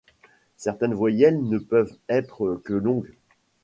Certaines voyelles ne peuvent être que longues.